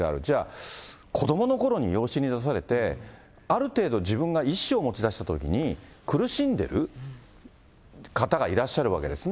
じゃあ、子どものころに養子に出されて、ある程度、自分が意思を持ち出したときに、苦しんでる方がいらっしゃるわけですね。